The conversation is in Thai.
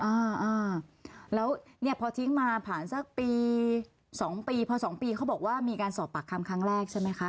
อ่าอ่าแล้วเนี่ยพอทิ้งมาผ่านสักปีสองปีพอสองปีเขาบอกว่ามีการสอบปากคำครั้งแรกใช่ไหมคะ